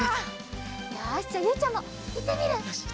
よしじゃあゆいちゃんもいってみる？